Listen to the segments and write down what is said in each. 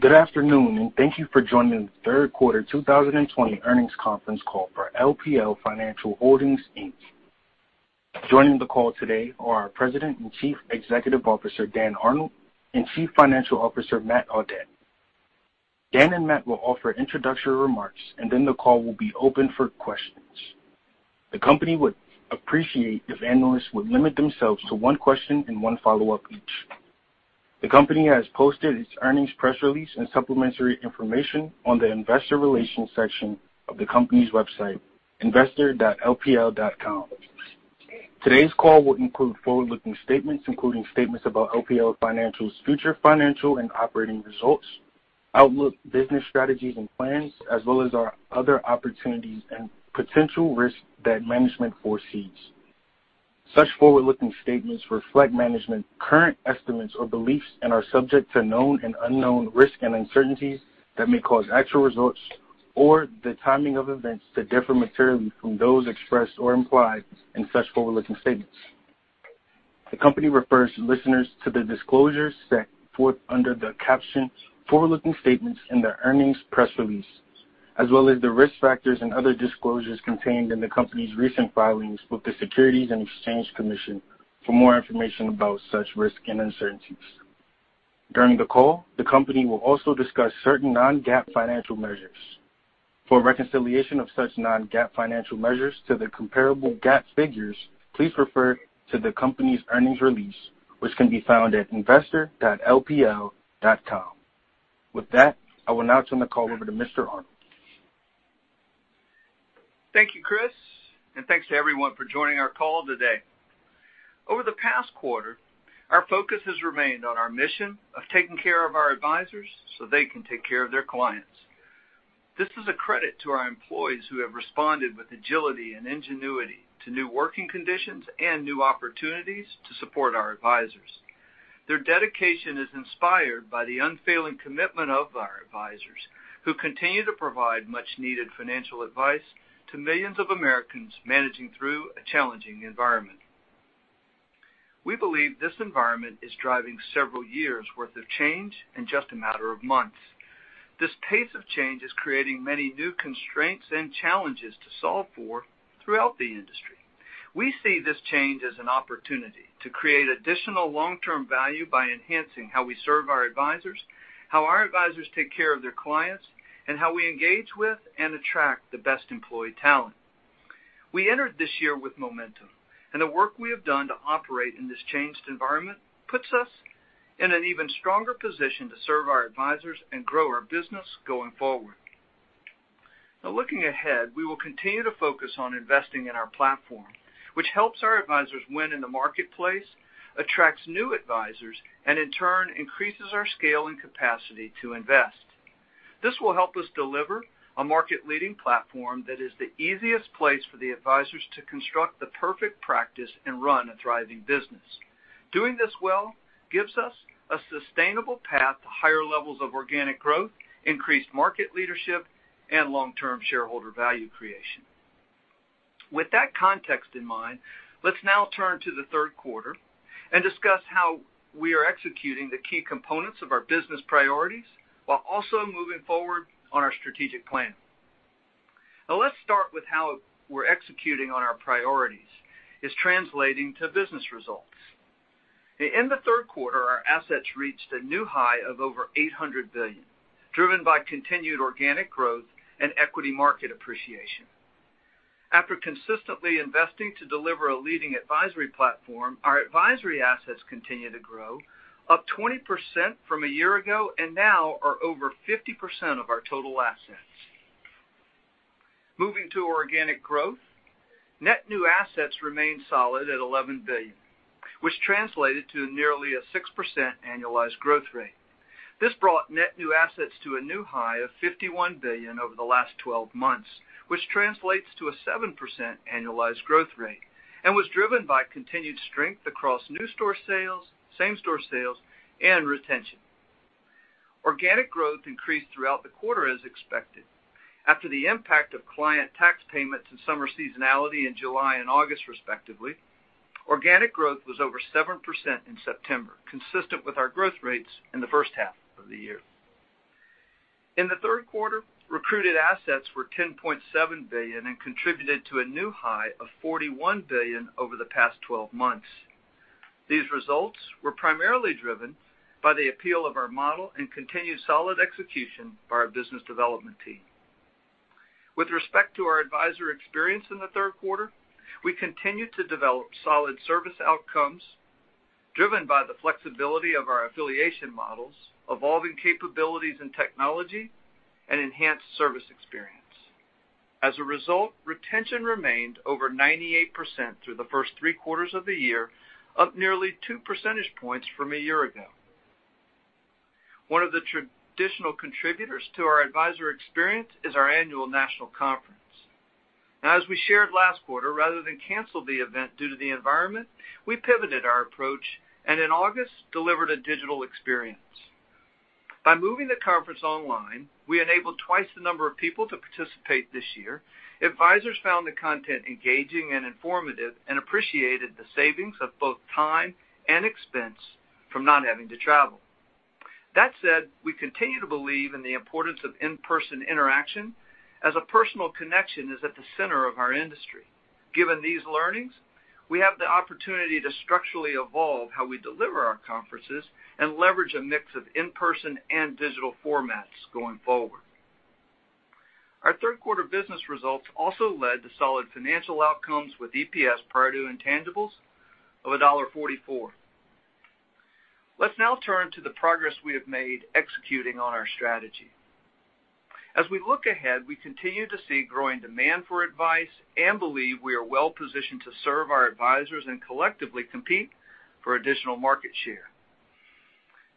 Good afternoon, and thank you for joining the Third Quarter 2020 Earnings Conference Call for LPL Financial Holdings Inc. Joining the call today are our President and Chief Executive Officer Dan Arnold and Chief Financial Officer Matt Audette. Dan and Matt will offer introductory remarks, and then the call will be open for questions. The company would appreciate if analysts would limit themselves to one question and one follow-up each. The company has posted its earnings press release and supplementary information on the investor relations section of the company's website, investor.lpl.com. Today's call will include forward-looking statements, including statements about LPL Financial's future financial and operating results, outlook, business strategies and plans, as well as our other opportunities and potential risks that management foresees. Such forward-looking statements reflect management's current estimates or beliefs and are subject to known and unknown risks and uncertainties that may cause actual results, or the timing of events to differ materially from those expressed or implied in such forward-looking statements. The company refers listeners to the disclosures set forth under the caption, "Forward-looking Statements" in the earnings press release, as well as the risk factors and other disclosures contained in the company's recent filings with the Securities and Exchange Commission for more information about such risks and uncertainties. During the call, the company will also discuss certain non-GAAP financial measures. For reconciliation of such non-GAAP financial measures to the comparable GAAP figures, please refer to the company's earnings release, which can be found at investor.lpl.com. With that, I will now turn the call over to Mr. Arnold. Thank you, Chris, and thanks to everyone for joining our call today. Over the past quarter, our focus has remained on our mission of taking care of our advisors so they can take care of their clients. This is a credit to our employees who have responded with agility and ingenuity to new working conditions and new opportunities to support our advisors. Their dedication is inspired by the unfailing commitment of our advisors, who continue to provide much-needed financial advice to millions of Americans managing through a challenging environment. We believe this environment is driving several years' worth of change in just a matter of months. This pace of change is creating many new constraints and challenges to solve for throughout the industry. We see this change as an opportunity to create additional long-term value by enhancing how we serve our advisors, how our advisors take care of their clients, and how we engage with and attract the best employee talent. We entered this year with momentum, and the work we have done to operate in this changed environment puts us in an even stronger position to serve our advisors and grow our business going forward. Now, looking ahead, we will continue to focus on investing in our platform, which helps our advisors win in the marketplace, attracts new advisors, and in turn increases our scale and capacity to invest. This will help us deliver a market-leading platform that is the easiest place for the advisors to construct the perfect practice and run a thriving business. Doing this well gives us a sustainable path to higher levels of organic growth, increased market leadership, and long-term shareholder value creation. With that context in mind, let's now turn to the third quarter and discuss how we are executing the key components of our business priorities while also moving forward on our strategic plan. Now, let's start with how we're executing on our priorities, translating to business results. In the third quarter, our assets reached a new high of over $800 billion, driven by continued organic growth and equity market appreciation. After consistently investing to deliver a leading advisory platform, our advisory assets continue to grow, up 20% from a year ago and now are over 50% of our total assets. Moving to organic growth, net new assets remain solid at $11 billion, which translated to nearly a 6% annualized growth rate. This brought net new assets to a new high of $51 billion over the last 12 months, which translates to a 7% annualized growth rate and was driven by continued strength across new store sales, same-store sales, and retention. Organic growth increased throughout the quarter as expected. After the impact of client tax payments and summer seasonality in July and August, respectively, organic growth was over 7% in September, consistent with our growth rates in the first half of the year. In the third quarter, recruited assets were $10.7 billion and contributed to a new high of $41 billion over the past 12 months. These results were primarily driven by the appeal of our model and continued solid execution by our business development team. With respect to our advisor experience in the third quarter, we continued to develop solid service outcomes driven by the flexibility of our affiliation models, evolving capabilities and technology, and enhanced service experience. As a result, retention remained over 98% through the first three quarters of the year, up nearly two percentage points from a year ago. One of the traditional contributors to our advisor experience is our annual national conference. As we shared last quarter, rather than cancel the event due to the environment, we pivoted our approach and in August delivered a digital experience. By moving the conference online, we enabled twice the number of people to participate this year. Advisors found the content engaging and informative and appreciated the savings of both time and expense from not having to travel. That said, we continue to believe in the importance of in-person interaction as a personal connection is at the center of our industry. Given these learnings, we have the opportunity to structurally evolve how we deliver our conferences and leverage a mix of in-person and digital formats going forward. Our third-quarter business results also led to solid financial outcomes with EPS prior to intangibles of $1.44. Let's now turn to the progress we have made executing on our strategy. As we look ahead, we continue to see growing demand for advice and believe we are well-positioned to serve our advisors and collectively compete for additional market share.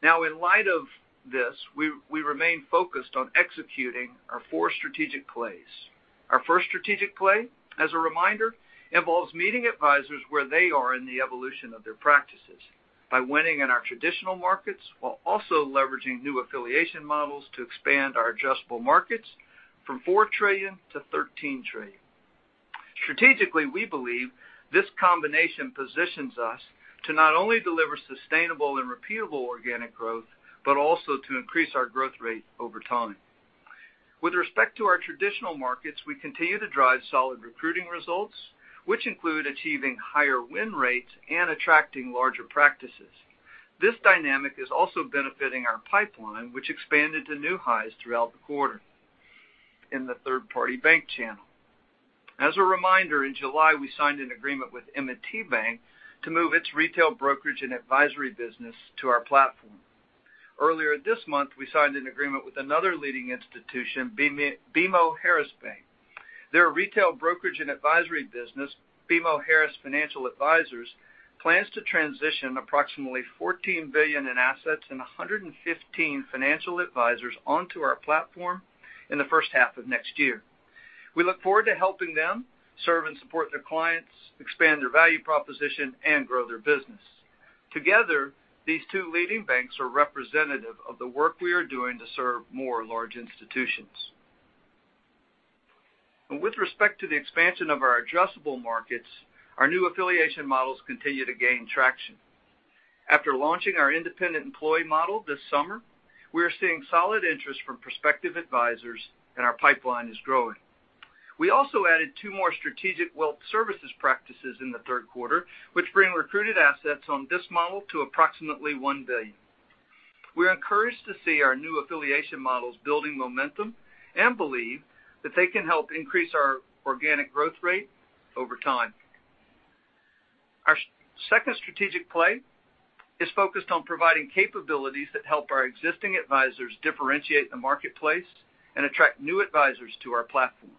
Now, in light of this, we remain focused on executing our four strategic plays. Our first strategic play, as a reminder, involves meeting advisors where they are in the evolution of their practices by winning in our traditional markets while also leveraging new affiliation models to expand our adjustable markets from 4 trillion-13 trillion. Strategically, we believe this combination positions us to not only deliver sustainable and repeatable organic growth but also to increase our growth rate over time. With respect to our traditional markets, we continue to drive solid recruiting results, which include achieving higher win rates and attracting larger practices. This dynamic is also benefiting our pipeline, which expanded to new highs throughout the quarter in the third-party bank channel. As a reminder, in July, we signed an agreement with M&T Bank to move its retail brokerage and advisory business to our platform. Earlier this month, we signed an agreement with another leading institution, BMO Harris Bank. Their retail brokerage and advisory business, BMO Harris Financial Advisors, plans to transition approximately $14 billion in assets and 115 financial advisors onto our platform in the first half of next year. We look forward to helping them serve and support their clients, expand their value proposition, and grow their business. Together, these two leading banks are representative of the work we are doing to serve more large institutions. With respect to the expansion of our adjustable markets, our new affiliation models continue to gain traction. After launching our independent employee model this summer, we are seeing solid interest from prospective advisors, and our pipeline is growing. We also added two more Strategic Wealth Services practices in the third-quarter, which bring recruited assets on this model to approximately $1 billion. We are encouraged to see our new affiliation models building momentum and believe that they can help increase our organic growth rate over time. Our second strategic play is focused on providing capabilities that help our existing advisors differentiate the marketplace and attract new advisors to our platform.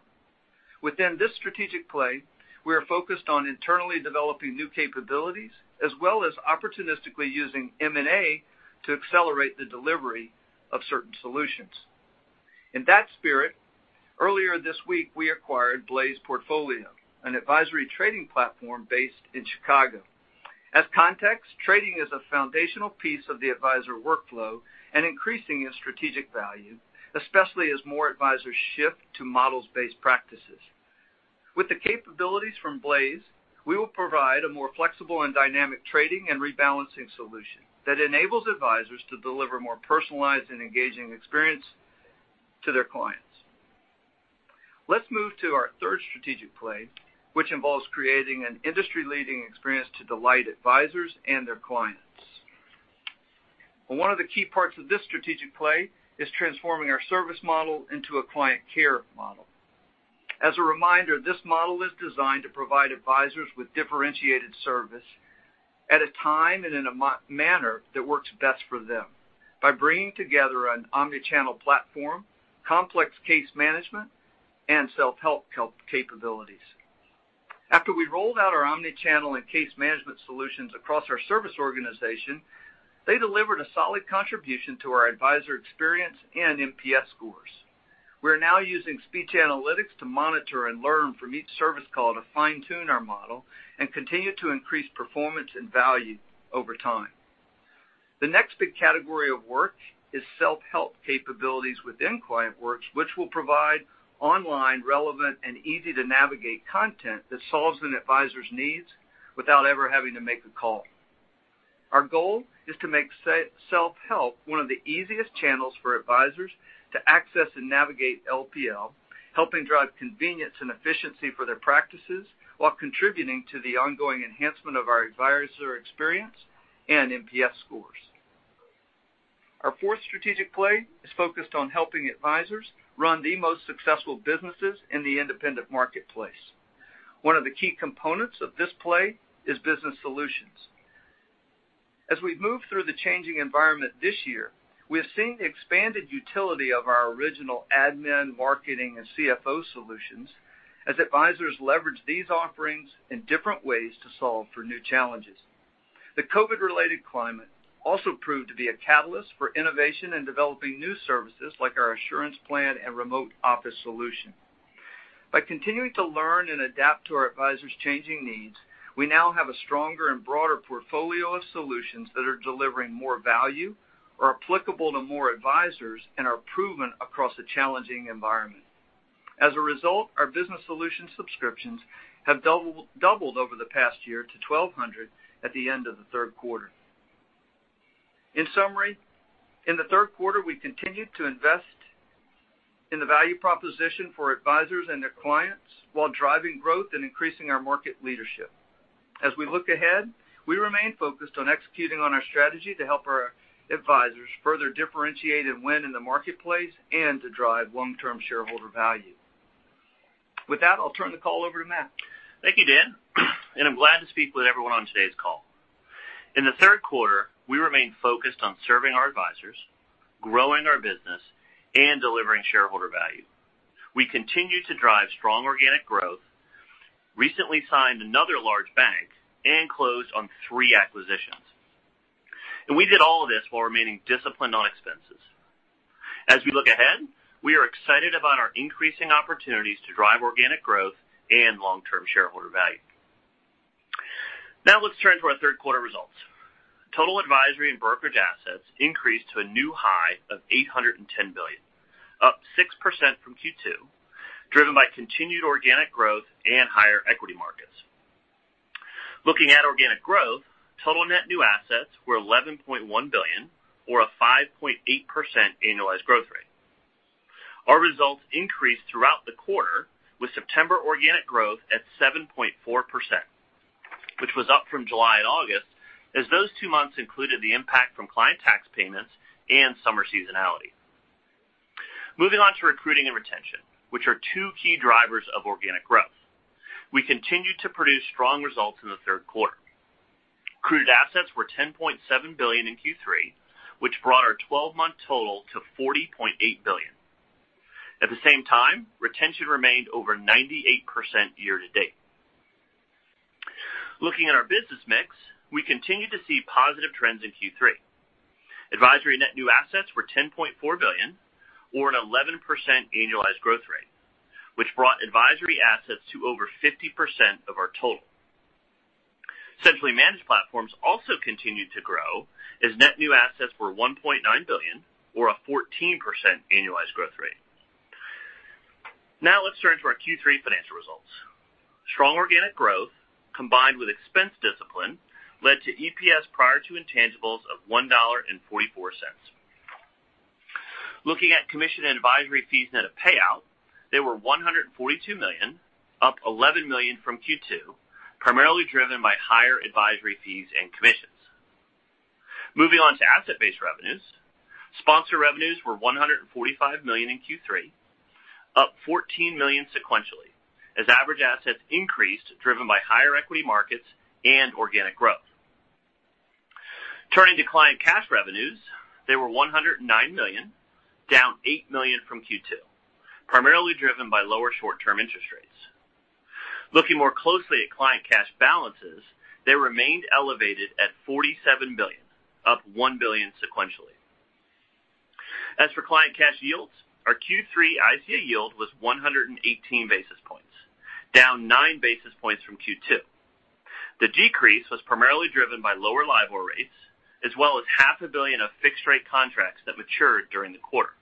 Within this strategic play, we are focused on internally developing new capabilities as well as opportunistically using M&A to accelerate the delivery of certain solutions. In that spirit, earlier this week, we acquired Blaze Portfolio, an advisory trading platform based in Chicago. As context, trading is a foundational piece of the advisor workflow and increasing its strategic value, especially as more advisors shift to models-based practices. With the capabilities from Blaze, we will provide a more flexible and dynamic trading and rebalancing solution that enables advisors to deliver a more personalized and engaging experience to their clients. Let's move to our third strategic play, which involves creating an industry-leading experience to delight advisors and their clients. One of the key parts of this strategic play is transforming our service model into a client care model. As a reminder, this model is designed to provide advisors with differentiated service at a time and in a manner that works best for them by bringing together an omnichannel platform, complex case management, and self-help capabilities. After we rolled out our omnichannel and case management solutions across our service organization, they delivered a solid contribution to our advisor experience and NPS scores. We are now using speech analytics to monitor and learn from each service call to fine-tune our model and continue to increase performance and value over time. The next big category of work is self-help capabilities within ClientWorks, which will provide online relevant and easy-to-navigate content that solves an advisor's needs without ever having to make a call. Our goal is to make self-help one of the easiest channels for advisors to access and navigate LPL, helping drive convenience and efficiency for their practices while contributing to the ongoing enhancement of our advisor experience and NPS scores. Our fourth strategic play is focused on helping advisors run the most successful businesses in the independent marketplace. One of the key components of this play is Business Solutions. As we've moved through the changing environment this year, we have seen the expanded utility of our original Admin, Marketing, and CFO solutions as advisors leverage these offerings in different ways to solve for new challenges. The COVID-related climate also proved to be a catalyst for innovation in developing new services like our Assurance Plan and Remote Office Solution. By continuing to learn and adapt to our advisors' changing needs, we now have a stronger and broader portfolio of solutions that are delivering more value, are applicable to more advisors, and are proven across a challenging environment. As a result, our Business Solution subscriptions have doubled over the past year to 1,200 at the end of the third-quarter. In summary, in the third quarter, we continued to invest in the value proposition for advisors and their clients while driving growth and increasing our market leadership. As we look ahead, we remain focused on executing on our strategy to help our advisors further differentiate and win in the marketplace and to drive long-term shareholder value. With that, I'll turn the call over to Matt. Thank you, Dan. I'm glad to speak with everyone on today's call. In the third quarter, we remained focused on serving our advisors, growing our business, and delivering shareholder value. We continued to drive strong organic growth, recently signed another large bank, and closed on three acquisitions. We did all of this while remaining disciplined on expenses. As we look ahead, we are excited about our increasing opportunities to drive organic growth and long-term shareholder value. Now, let's turn to our third-quarter results. Total advisory and brokerage assets increased to a new high of $810 billion, up 6% from Q2, driven by continued organic growth and higher equity markets. Looking at organic growth, total net new assets were $11.1 billion, or a 5.8% annualized growth rate. Our results increased throughout the quarter, with September organic growth at 7.4%, which was up from July and August as those two months included the impact from client tax payments and summer seasonality. Moving on to recruiting and retention, which are two key drivers of organic growth. We continued to produce strong results in the third quarter. Recruited assets were $10.7 billion in Q3, which brought our 12-month total to $40.8 billion. At the same time, retention remained over 98% year-to-date. Looking at our business mix, we continued to see positive trends in Q3. Advisory net new assets were $10.4 billion, or an 11% annualized growth rate, which brought advisory assets to over 50% of our total. Centrally managed platforms also continued to grow as net new assets were $1.9 billion, or a 14% annualized growth rate. Now, let's turn to our Q3 financial results. Strong organic growth combined with expense discipline led to EPS prior to intangibles of $1.44. Looking at commission and advisory fees net of payout, they were $142 million, up $11 million from Q2, primarily driven by higher advisory fees and commissions. Moving on to asset-based revenues, sponsor revenues were $145 million in Q3, up $14 million sequentially as average assets increased, driven by higher equity markets and organic growth. Turning to client cash revenues, they were $109 million, down $8 million from Q2, primarily driven by lower short-term interest rates. Looking more closely at client cash balances, they remained elevated at $47 billion, up $1 billion sequentially. As for client cash yields, our Q3 ICA yield was 118 basis points, down 9 basis points from Q2. The decrease was primarily driven by lower LIBOR rates as well as $500 million of fixed-rate contracts that matured during the quarter.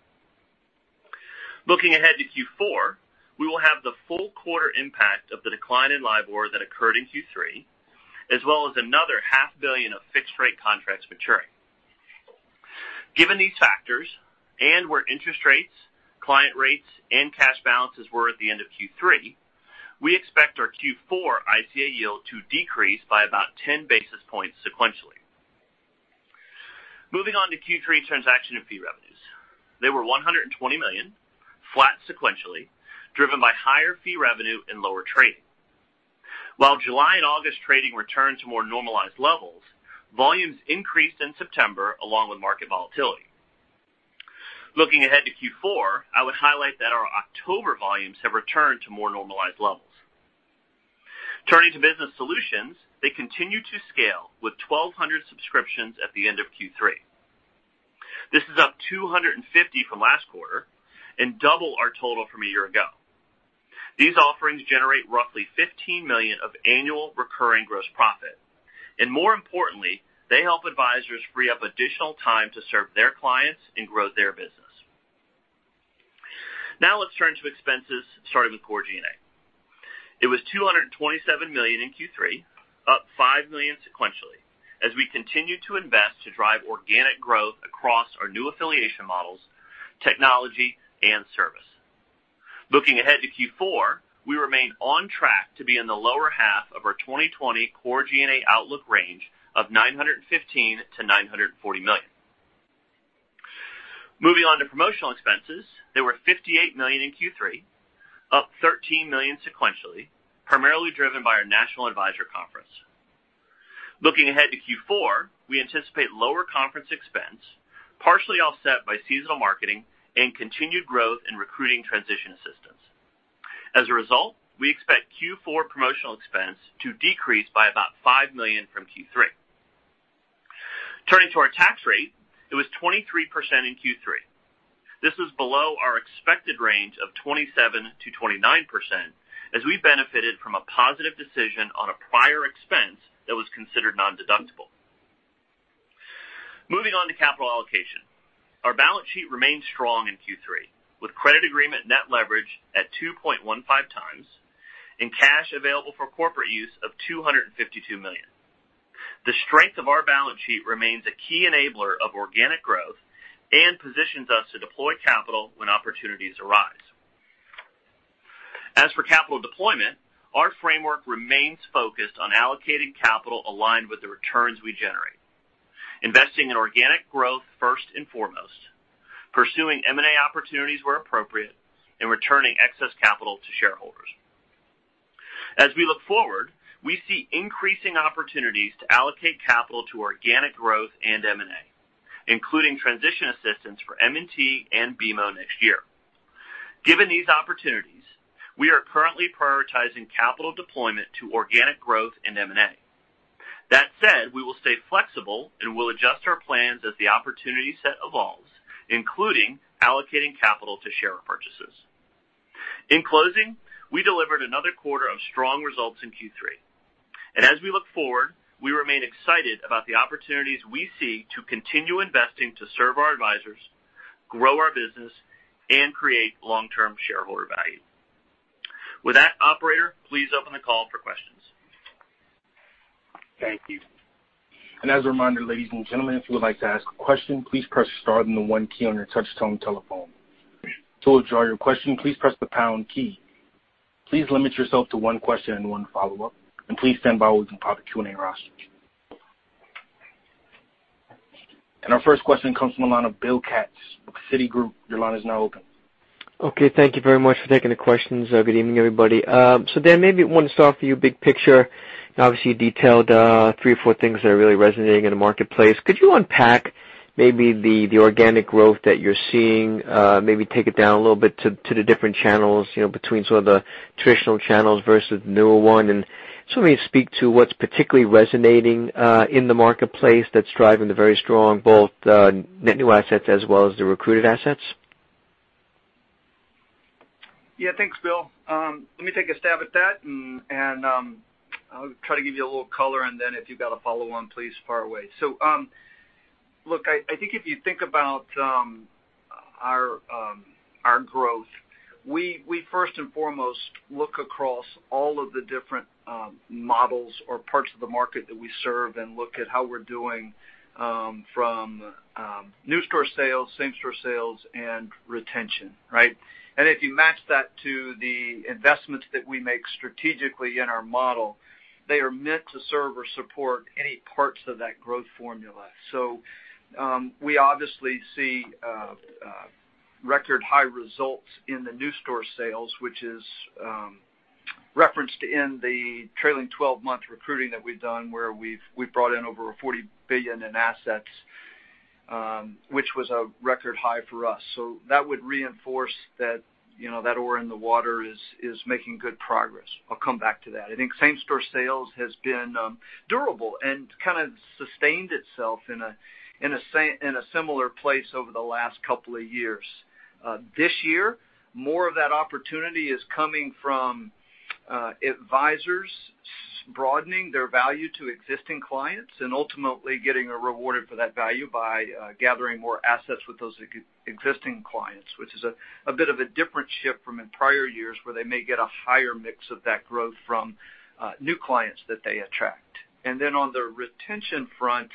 Looking ahead to Q4, we will have the full quarter impact of the decline in LIBOR that occurred in Q3 as well as another 500 million fixed-rate contracts maturing. Given these factors and where interest rates, client rates, and cash balances were at the end of Q3, we expect our Q4 ICA yield to decrease by about 10 basis points sequentially. Moving on to Q3 transaction and fee revenues, they were $120 million, flat sequentially, driven by higher fee revenue and lower trading. While July and August trading returned to more normalized levels, volumes increased in September along with market volatility. Looking ahead to Q4, I would highlight that our October volumes have returned to more normalized levels. Turning to Business Solutions, they continue to scale with 1,200 subscriptions at the end of Q3. This is up 250 from last quarter and double our total from a year ago. These offerings generate roughly $15 million of annual recurring gross profit. And more importantly, they help advisors free up additional time to serve their clients and grow their business. Now, let's turn to expenses, starting with Core G&A. It was $227 million in Q3, up $5 million sequentially as we continue to invest to drive organic growth across our new affiliation models, technology, and service. Looking ahead to Q4, we remain on track to be in the lower half of our 2020 Core G&A outlook range of $915 million-$940 million. Moving on to promotional expenses, they were $58 million in Q3, up $13 million sequentially, primarily driven by our national advisor conference. Looking ahead to Q4, we anticipate lower conference expense, partially offset by seasonal marketing and continued growth in recruiting transition assistance. As a result, we expect Q4 promotional expense to decrease by about $5 million from Q3. Turning to our tax rate, it was 23% in Q3. This was below our expected range of 27%-29% as we benefited from a positive decision on a prior expense that was considered non-deductible. Moving on to capital allocation, our balance sheet remained strong in Q3 with credit agreement net leverage at 2.15x and cash available for corporate use of $252 million. The strength of our balance sheet remains a key enabler of organic growth and positions us to deploy capital when opportunities arise. As for capital deployment, our framework remains focused on allocating capital aligned with the returns we generate, investing in organic growth first and foremost, pursuing M&A opportunities where appropriate, and returning excess capital to shareholders. As we look forward, we see increasing opportunities to allocate capital to organic growth and M&A, including transition assistance for M&T and BMO next year. Given these opportunities, we are currently prioritizing capital deployment to organic growth and M&A. That said, we will stay flexible and will adjust our plans as the opportunity set evolves, including allocating capital to share purchases. In closing, we delivered another quarter of strong results in Q3. And as we look forward, we remain excited about the opportunities we see to continue investing to serve our advisors, grow our business, and create long-term shareholder value. With that, operator, please open the call for questions. Thank you. And as a reminder, ladies and gentlemen, if you would like to ask a question, please press star then the one key on your touch-tone telephone. To withdraw your question, please press the pound key. Please limit yourself to one question and one follow-up. And please stand by while we can poll a Q&A roster. And our first question comes from Bill Katz with Citigroup. Your line is now open. Okay. Thank you very much for taking the questions. Good evening, everybody. Dan, maybe I want to start off with your big picture. Obviously, you detailed three or four things that are really resonating in the marketplace. Could you unpack maybe the organic growth that you're seeing, maybe take it down a little bit to the different channels between sort of the traditional channels versus the newer one? And sort of maybe speak to what's particularly resonating in the marketplace that's driving the very strong both net new assets as well as the recruited assets? Yeah. Thanks, Bill. Let me take a stab at that. And I'll try to give you a little color. And then if you've got a follow-on, please fire away. So look, I think if you think about our growth, we first and foremost look across all of the different models or parts of the market that we serve and look at how we're doing from new store sales, same-store sales, and retention, right? And if you match that to the investments that we make strategically in our model, they are meant to serve or support any parts of that growth formula. So we obviously see record high results in the new store sales, which is referenced in the trailing 12-month recruiting that we've done, where we've brought in over $40 billion in assets, which was a record high for us. So that would reinforce that oar in the water is making good progress. I'll come back to that. I think same-store sales has been durable and kind of sustained itself in a similar place over the last couple of years. This year, more of that opportunity is coming from advisors broadening their value to existing clients and ultimately getting rewarded for that value by gathering more assets with those existing clients, which is a bit of a different shift from in prior years where they may get a higher mix of that growth from new clients that they attract. And then on the retention front,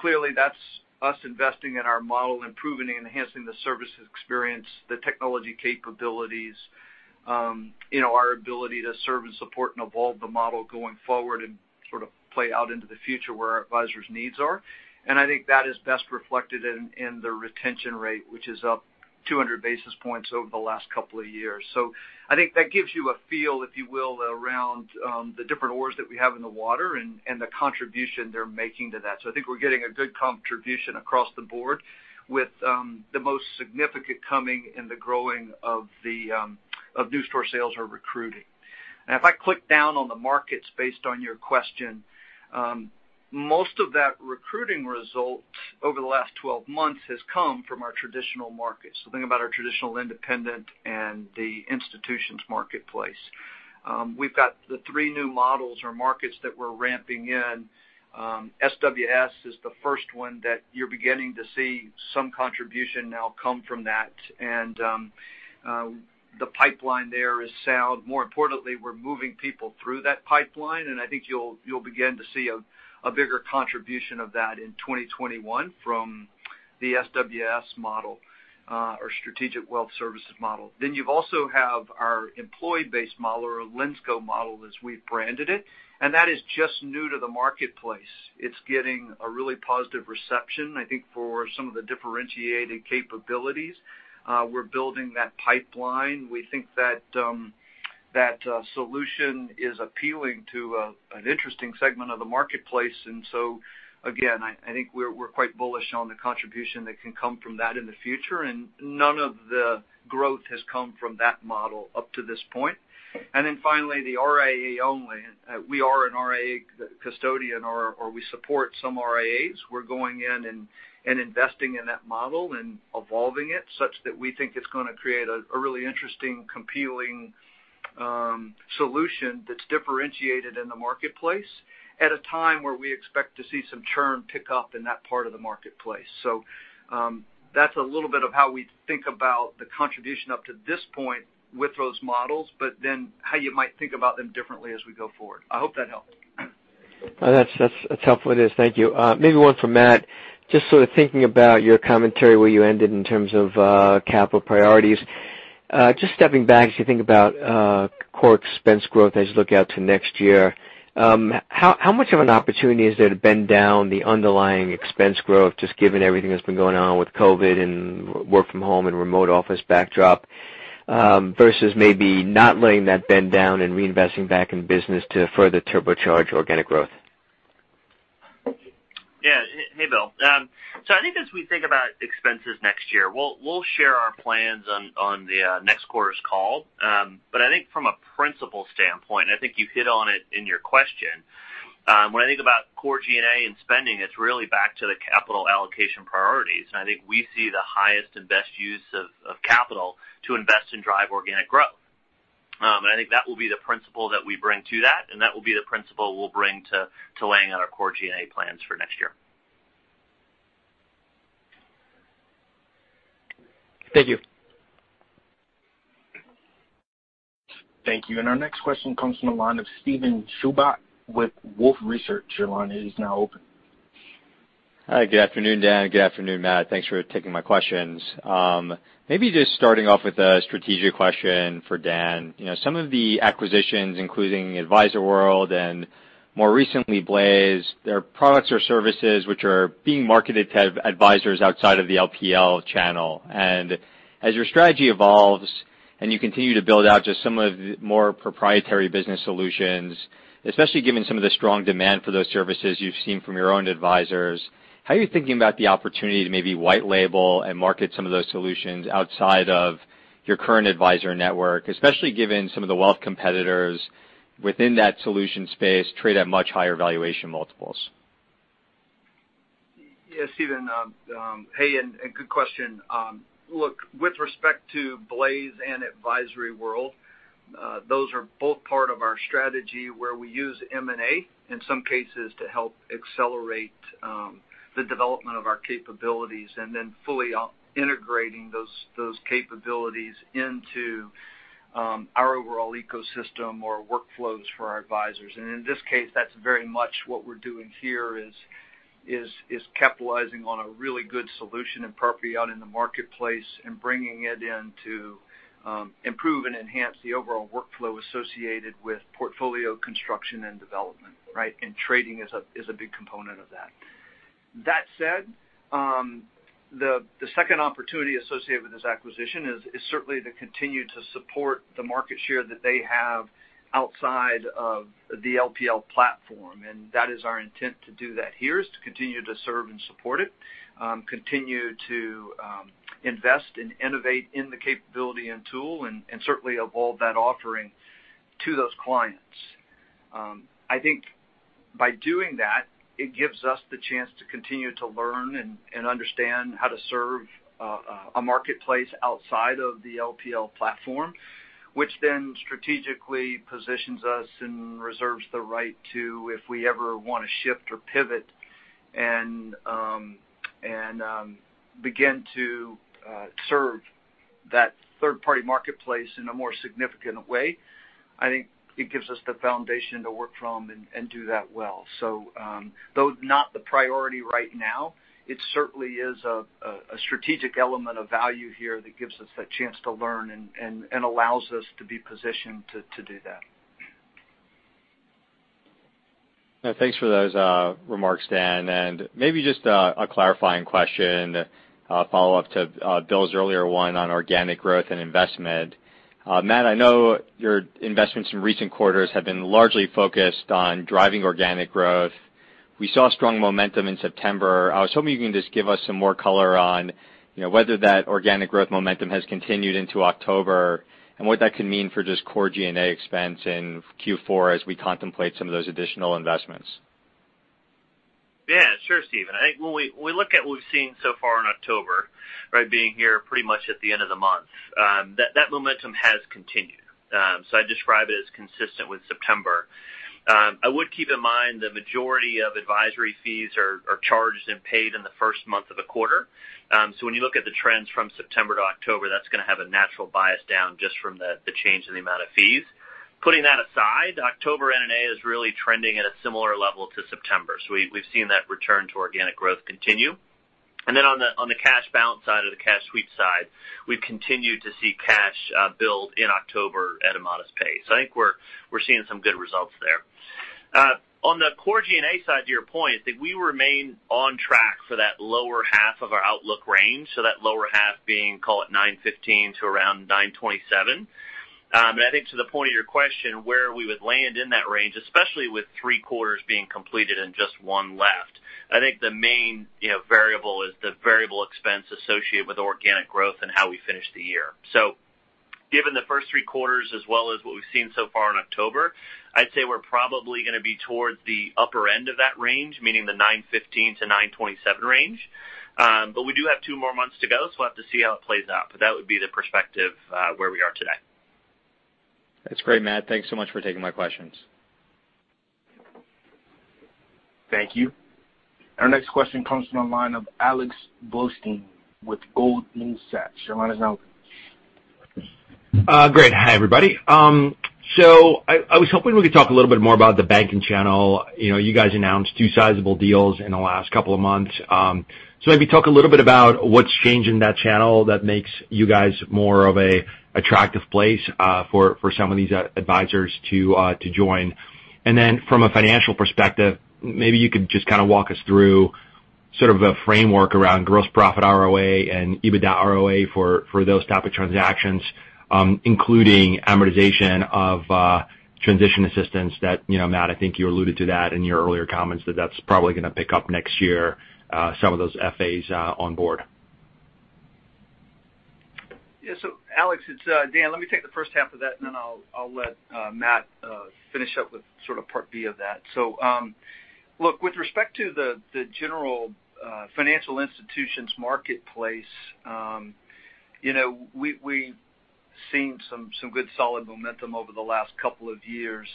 clearly, that's us investing in our model, improving and enhancing the service experience, the technology capabilities, our ability to serve and support, and evolve the model going forward and sort of play out into the future where our advisors' needs are. And I think that is best reflected in the retention rate, which is up 200 basis points over the last couple of years. So I think that gives you a feel, if you will, around the different oars that we have in the water and the contribution they're making to that. So I think we're getting a good contribution across the board with the most significant coming in the growing of new store sales or recruiting. And if I click down on the markets based on your question, most of that recruiting result over the last 12 months has come from our traditional markets. So think about our traditional independent and the institutions marketplace. We've got the three new models or markets that we're ramping in. SWS is the first one that you're beginning to see some contribution now come from that. And the pipeline there is sound. More importantly, we're moving people through that pipeline. And I think you'll begin to see a bigger contribution of that in 2021 from the SWS model or Strategic Wealth Services model. Then you also have our employee-based model or Linsco model as we've branded it. And that is just new to the marketplace. It's getting a really positive reception, I think, for some of the differentiated capabilities. We're building that pipeline. We think that solution is appealing to an interesting segment of the marketplace. And so again, I think we're quite bullish on the contribution that can come from that in the future. And none of the growth has come from that model up to this point. And then finally, the RIA only. We are an RIA custodian, or we support some RIAs. We're going in and investing in that model and evolving it such that we think it's going to create a really interesting, compelling solution that's differentiated in the marketplace at a time where we expect to see some churn pick up in that part of the marketplace. So that's a little bit of how we think about the contribution up to this point with those models, but then how you might think about them differently as we go forward. I hope that helped. That's helpful, it is. Thank you. Maybe one from Matt. Just sort of thinking about your commentary where you ended in terms of capital priorities. Just stepping back, as you think about core expense growth as you look out to next year, how much of an opportunity is there to bend down the underlying expense growth just given everything that's been going on with COVID and work from home and remote office backdrop versus maybe not letting that bend down and reinvesting back in business to further turbocharge organic growth? Yeah. Hey, Bill. So I think as we think about expenses next year, we'll share our plans on the next quarter's call. But I think from a principle standpoint, and I think you hit on it in your question, when I think about core G&A and spending, it's really back to the capital allocation priorities. And I think we see the highest and best use of capital to invest and drive organic growth. And I think that will be the principle that we bring to that. And that will be the principle we'll bring to laying out our core G&A plans for next year. Thank you. Thank you. And our next question comes from the line of Steven Chubak with Wolfe Research. Your line is now open. Hi. Good afternoon, Dan. Good afternoon, Matt. Thanks for taking my questions. Maybe just starting off with a strategic question for Dan. Some of the acquisitions, including AdvisoryWorld and more recently Blaze, they're products or services which are being marketed to advisors outside of the LPL channel. And as your strategy evolves and you continue to build out just some of the more proprietary Business Solutions, especially given some of the strong demand for those services you've seen from your own advisors, how are you thinking about the opportunity to maybe white label and market some of those solutions outside of your current advisor network, especially given some of the wealth competitors within that solution space trade at much higher valuation multiples? Yes, Steven. Hey, and good question. Look, with respect to Blaze and AdvisoryWorld, those are both part of our strategy where we use M&A in some cases to help accelerate the development of our capabilities and then fully integrating those capabilities into our overall ecosystem or workflows for our advisors. And in this case, that's very much what we're doing here is capitalizing on a really good solution and proprietary out in the marketplace and bringing it in to improve and enhance the overall workflow associated with portfolio construction and development, right? And trading is a big component of that. That said, the second opportunity associated with this acquisition is certainly to continue to support the market share that they have outside of the LPL platform. That is our intent to do that here, is to continue to serve and support it, continue to invest and innovate in the capability and tool, and certainly evolve that offering to those clients. I think by doing that, it gives us the chance to continue to learn and understand how to serve a marketplace outside of the LPL platform, which then strategically positions us and reserves the right to, if we ever want to shift or pivot and begin to serve that third-party marketplace in a more significant way, I think it gives us the foundation to work from and do that well. Though not the priority right now, it certainly is a strategic element of value here that gives us that chance to learn and allows us to be positioned to do that. Thanks for those remarks, Dan, and maybe just a clarifying question, follow-up to Bill's earlier one on organic growth and investment. Matt, I know your investments in recent quarters have been largely focused on driving organic growth. We saw strong momentum in September. I was hoping you can just give us some more color on whether that organic growth momentum has continued into October and what that can mean for just Core G&A expense in Q4 as we contemplate some of those additional investments? Yeah. Sure, Steven. I think when we look at what we've seen so far in October, right, being here pretty much at the end of the month, that momentum has continued. So I'd describe it as consistent with September. I would keep in mind the majority of advisory fees are charged and paid in the first month of the quarter. So when you look at the trends from September to October, that's going to have a natural bias down just from the change in the amount of fees. Putting that aside, October NNA is really trending at a similar level to September. So we've seen that return to organic growth continue. And then on the cash balance side or the cash sweep side, we've continued to see cash build in October at a modest pace. So I think we're seeing some good results there. On the Core G&A side, to your point, I think we remain on track for that lower half of our outlook range, so that lower half being, call it 915 to around 927, and I think to the point of your question, where we would land in that range, especially with three quarters being completed and just one left, I think the main variable is the variable expense associated with organic growth and how we finish the year, so given the first three quarters as well as what we've seen so far in October, I'd say we're probably going to be towards the upper end of that range, meaning the 915-927 range, but we do have two more months to go, so we'll have to see how it plays out, but that would be the perspective where we are today. That's great, Matt. Thanks so much for taking my questions. Thank you. Our next question comes from the line of Alex Blostein with Goldman Sachs. Your line is now open. Great. Hi, everybody. So I was hoping we could talk a little bit more about the banking channel. You guys announced two sizable deals in the last couple of months. So maybe talk a little bit about what's changed in that channel that makes you guys more of an attractive place for some of these advisors to join. And then from a financial perspective, maybe you could just kind of walk us through sort of a framework around gross profit ROA and EBITDA ROA for those type of transactions, including amortization of transition assistance that, Matt, I think you alluded to that in your earlier comments that that's probably going to pick up next year, some of those FAs on board. Yeah. So Alex, it's Dan. Let me take the first half of that, and then I'll let Matt finish up with sort of part B of that. So look, with respect to the general financial institutions marketplace, we've seen some good solid momentum over the last couple of years.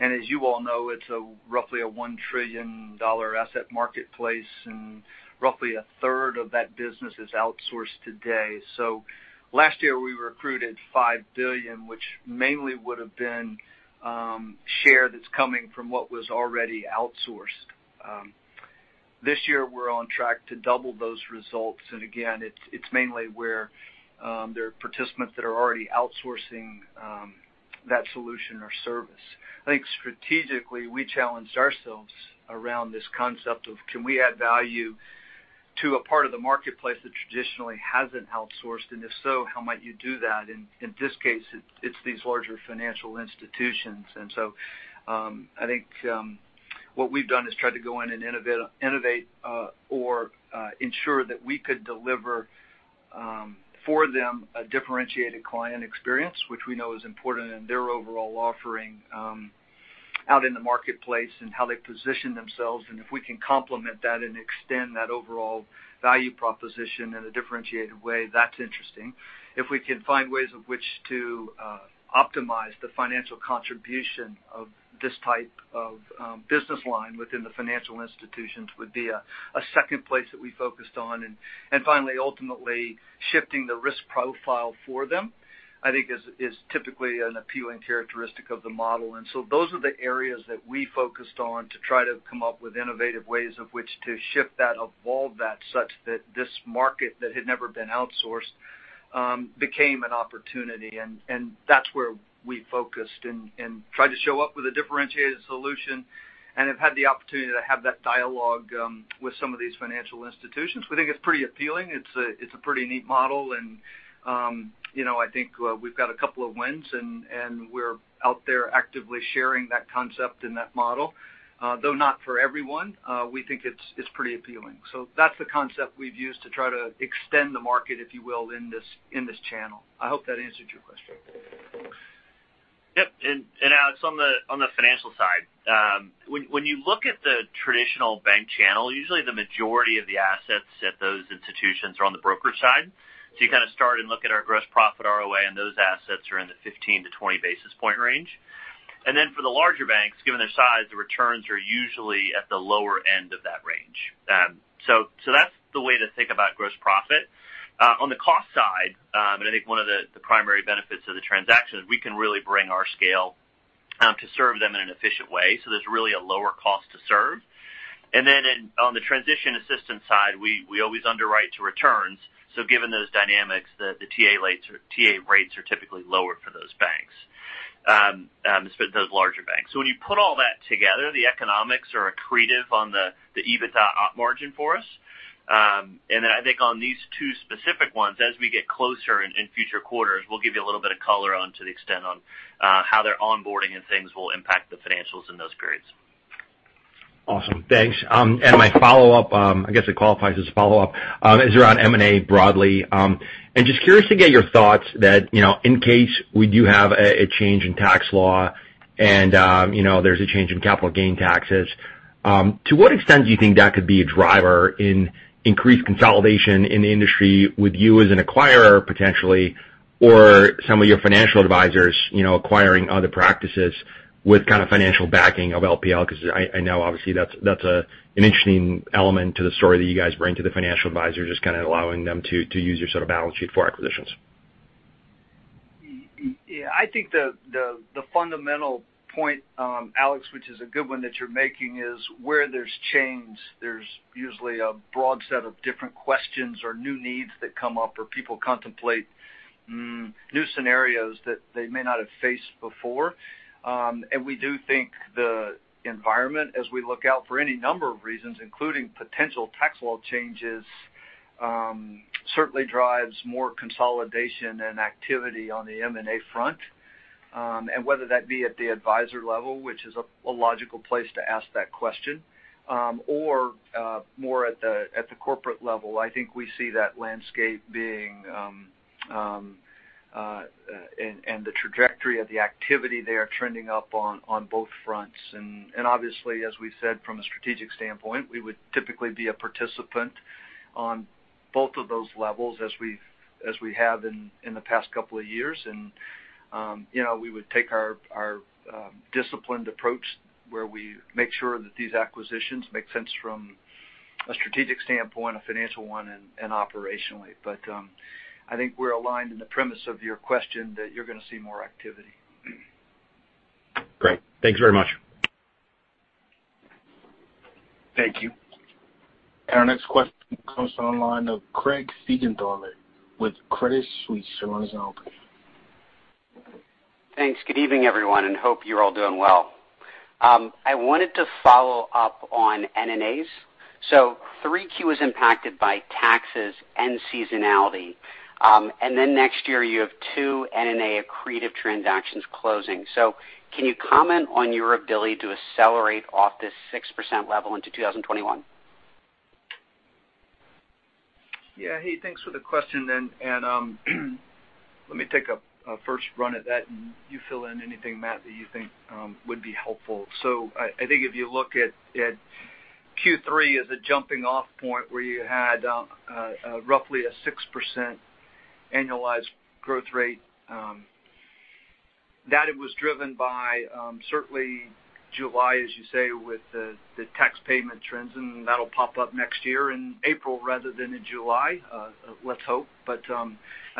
And as you all know, it's roughly a $1 trillion asset marketplace, and roughly a 1/3 of that business is outsourced today. So last year, we recruited $5 billion, which mainly would have been share that's coming from what was already outsourced. This year, we're on track to double those results. And again, it's mainly where there are participants that are already outsourcing that solution or service. I think strategically, we challenged ourselves around this concept of, can we add value to a part of the marketplace that traditionally hasn't outsourced? And if so, how might you do that? In this case, it's these larger financial institutions. So I think what we've done is tried to go in and innovate or ensure that we could deliver for them a differentiated client experience, which we know is important in their overall offering out in the marketplace and how they position themselves. If we can complement that and extend that overall value proposition in a differentiated way, that's interesting. If we can find ways in which to optimize the financial contribution of this type of business line within the financial institutions, that would be a second place that we focused on. Finally, ultimately, shifting the risk profile for them, I think, is typically an appealing characteristic of the model. And so those are the areas that we focused on to try to come up with innovative ways of which to shift that, evolve that such that this market that had never been outsourced became an opportunity. And that's where we focused and tried to show up with a differentiated solution, and have had the opportunity to have that dialogue with some of these financial institutions. We think it's pretty appealing. It's a pretty neat model. And I think we've got a couple of wins, and we're out there actively sharing that concept and that model, though not for everyone. We think it's pretty appealing. So that's the concept we've used to try to extend the market, if you will, in this channel. I hope that answered your question. Yeah. And Alex, on the financial side, when you look at the traditional bank channel, usually the majority of the assets at those institutions are on the broker side. So you kind of start and look at our gross profit ROA, and those assets are in the 15-20 basis point range. And then for the larger banks, given their size, the returns are usually at the lower end of that range. So that's the way to think about gross profit. On the cost side, and I think one of the primary benefits of the transaction is we can really bring our scale to serve them in an efficient way. So there's really a lower cost to serve. And then on the transition assistance side, we always underwrite to returns. So given those dynamics, the TA rates are typically lower for those banks, especially those larger banks. So when you put all that together, the economics are accretive on the EBITDA op margin for us. And then I think on these two specific ones, as we get closer in future quarters, we'll give you a little bit of color onto the extent on how their onboarding and things will impact the financials in those periods. Awesome. Thanks. And my follow-up, I guess it qualifies as a follow-up, is around M&A broadly. And just curious to get your thoughts that in case we do have a change in tax law and there's a change in capital gain taxes, to what extent do you think that could be a driver in increased consolidation in the industry with you as an acquirer potentially, or some of your financial advisors acquiring other practices with kind of financial backing of LPL? Because I know, obviously, that's an interesting element to the story that you guys bring to the financial advisors, just kind of allowing them to use your sort of balance sheet for acquisitions. Yeah. I think the fundamental point, Alex, which is a good one that you're making, is where there's change, there's usually a broad set of different questions or new needs that come up or people contemplate new scenarios that they may not have faced before. And we do think the environment, as we look out for any number of reasons, including potential tax law changes, certainly drives more consolidation and activity on the M&A front. And whether that be at the advisor level, which is a logical place to ask that question, or more at the corporate level, I think we see that landscape being, and the trajectory of the activity they are trending up on both fronts. And obviously, as we said, from a strategic standpoint, we would typically be a participant on both of those levels as we have in the past couple of years. We would take our disciplined approach where we make sure that these acquisitions make sense from a strategic standpoint, a financial one, and operationally. I think we're aligned in the premise of your question that you're going to see more activity. Great. Thanks very much. Thank you. And our next question comes from the line of Craig Siegenthaler with Credit Suisse. Your line is now open. Thanks. Good evening, everyone, and hope you're all doing well. I wanted to follow up on M&As. So 3Q was impacted by taxes and seasonality. And then next year, you have two M&A accretive transactions closing. So can you comment on your ability to accelerate off this 6% level into 2021? Yeah. Hey, thanks for the question. And let me take a first run at that, and you fill in anything, Matt, that you think would be helpful. So I think if you look at Q3 as a jumping-off point where you had roughly a 6% annualized growth rate, that it was driven by certainly July, as you say, with the tax payment trends, and that'll pop up next year in April rather than in July. Let's hope. But I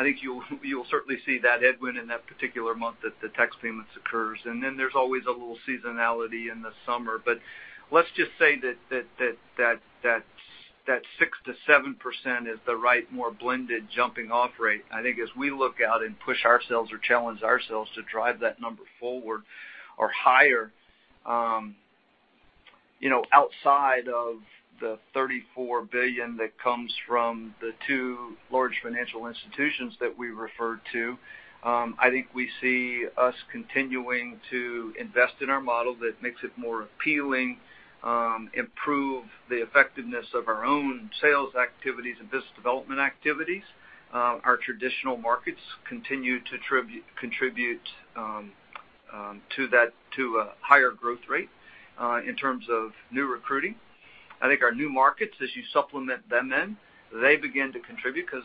think you'll certainly see that headwind in that particular month that the tax payments occurs. And then there's always a little seasonality in the summer. But let's just say that, that 6%-7% is the right more blended jumping-off rate. I think as we look out and push ourselves or challenge ourselves to drive that number forward or higher outside of the $34 billion that comes from the two large financial institutions that we referred to, I think we see us continuing to invest in our model that makes it more appealing, improve the effectiveness of our own sales activities and business development activities. Our traditional markets continue to contribute to a higher growth rate in terms of new recruiting. I think our new markets, as you supplement them in, they begin to contribute because,